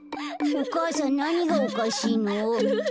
お母さんなにがおかしいの？